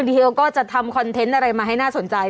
เดียวก็จะทำคอนเทนต์อะไรมาให้น่าสนใจ